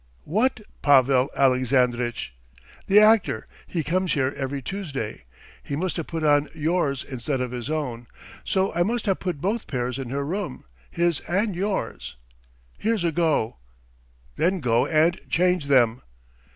"What Pavel Alexandritch?" "The actor; he comes here every Tuesday. ... He must have put on yours instead of his own. ... So I must have put both pairs in her room, his and yours. Here's a go!" "Then go and change them!"